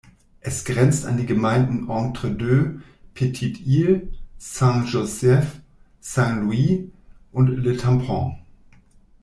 Es grenzt an die Gemeinden Entre-Deux, Petite-Île, Saint-Joseph, Saint-Louis und Le Tampon.